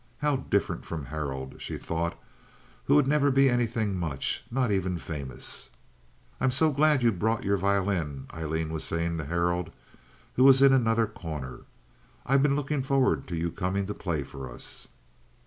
How different from Harold, she thought, who would never be anything much—not even famous. "I'm so glad you brought your violin," Aileen was saying to Harold, who was in another corner. "I've been looking forward to your coming to play for us."